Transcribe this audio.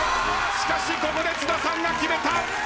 しかしここで津田さんが決めた！